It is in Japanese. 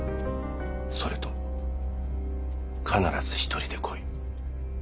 それと必ず１人で来い。